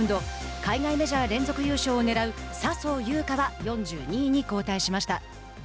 海外メジャー連続優勝をねらう笹生優花は４２位に後退しました。